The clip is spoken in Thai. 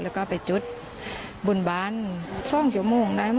แล้วก็ไปจุดบนบานซ่องจมูกได้